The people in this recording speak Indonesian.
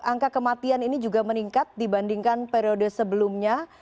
angka kematian ini juga meningkat dibandingkan periode sebelumnya